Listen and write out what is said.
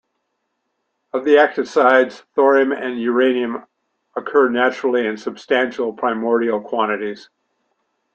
Of the actinides, thorium and uranium occur naturally in substantial, primordial, quantities.